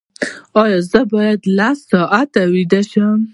ایا زه باید لس ساعته ویده شم؟